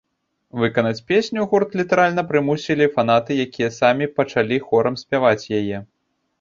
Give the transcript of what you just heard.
Выканаць песню гурт літаральна прымусілі фанаты, якія самі пачалі хорам спяваць яе.